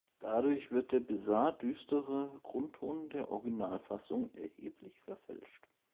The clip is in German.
Dadurch wird der bizarr-düstere Grundton der Originalfassung erheblich verfälscht.